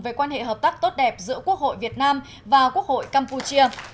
về quan hệ hợp tác tốt đẹp giữa quốc hội việt nam và quốc hội campuchia